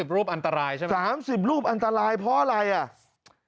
รูปอันตรายใช่ไหม๓๐รูปอันตรายเพราะอะไรอ่ะ